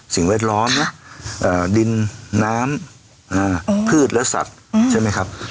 แวดล้อมนะดินน้ำพืชและสัตว์ใช่ไหมครับ